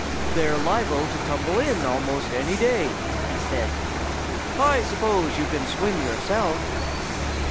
"They're liable to tumble in almost any day," he said. "I suppose you can swim, yourself?"